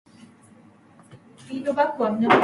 This division has changed its name on numerous occasions.